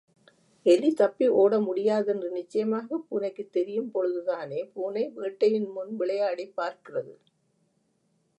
எலி தப்பி ஓட முடியாதென்று நிச்சயமாகப் பூனைக்குத் தெரியும் பொழுது தானே பூனை வேட்டையின் முன் விளையாடிப் பார்க்கிறது!